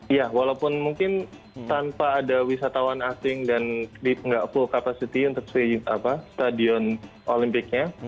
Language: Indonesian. iya walaupun mungkin tanpa ada wisatawan asing dan nggak full capacity untuk stadion olimpiknya